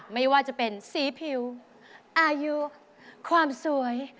ไม่ว่าจะเป็นสีผิวอายุความสวย